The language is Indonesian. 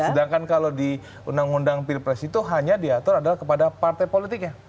sedangkan kalau di undang undang pilpres itu hanya diatur adalah kepada partai politiknya